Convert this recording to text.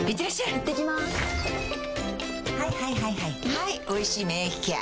はい「おいしい免疫ケア」